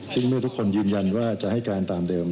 ที่ไม่ได้ทุกคนยืนยันว่าจะให้การตามเดิม